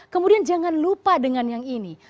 kemudian jangan lupa dengan yang ini